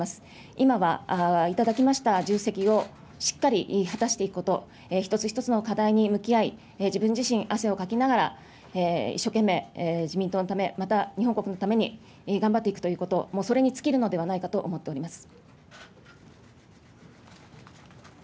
今は頂きました重責をしっかり果たしていくこと、一つ一つの課題に向き合い、自分自身、汗をかきながら、一生懸命自民党のため、また日本国民のために頑張っていくということ、もうそれに尽きるのではないかと思っております。